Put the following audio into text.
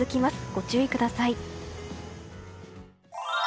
ご注意ください。